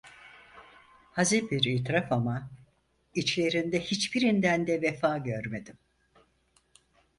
Hazin bir itiraf ama içlerinde hiçbirinden de vefa görmedim…